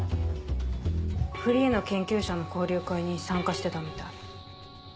フリーの研究者の交流会に参加してたみたい。